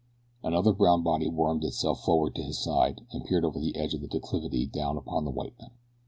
Another brown body wormed itself forward to his side and peered over the edge of the declivity down upon the white men.